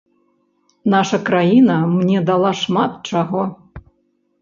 Наша краіна мне дала шмат чаго.